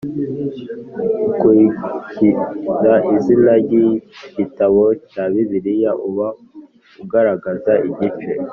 ukurikira izina ry igitabo cya Bibiliya uba ugaragaza igice